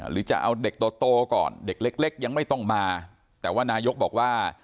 หรือจะเอาเด็กโตก่อนเด็กเล็กยังไม่ต้องมาแต่ว่านายกบอกว่า